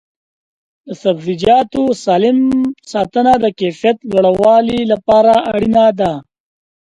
د سبزیجاتو سالم ساتنه د کیفیت لوړولو لپاره اړینه ده.